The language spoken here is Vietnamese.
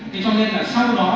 thế cho nên là sau đó